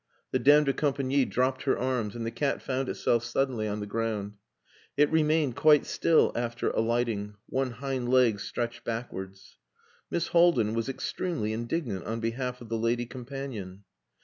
The dame de compagnie dropped her arms, and the cat found itself suddenly on the ground. It remained quite still after alighting, one hind leg stretched backwards. Miss Haldin was extremely indignant on behalf of the lady companion.